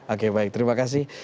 oke baik terima kasih